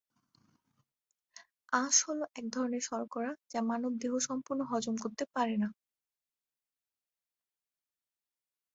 আঁশ হলো এক ধরনের শর্করা যা মানব দেহ সম্পূর্ণ হজম করতে পারে না।